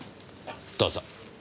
どうぞ。